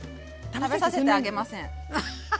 食べさせてあげません。